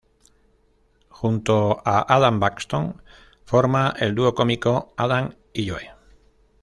Junto a Adam Buxton forma el duo cómico Adam y Joe.